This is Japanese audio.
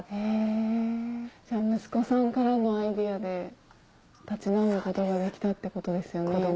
じゃあ息子さんからのアイデアで立ち直ることができたってことですよね？